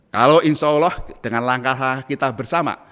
kalau insya allah dengan langkah kita bersama